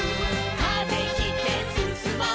「風切ってすすもう」